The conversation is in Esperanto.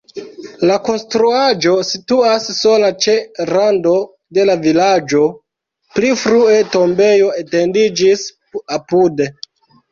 La konstruaĵo situas sola ĉe rando de la vilaĝo, pli frue tombejo etendiĝis apude.